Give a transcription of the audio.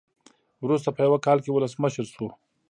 وروسته په یو کال کې ولسمشر شو.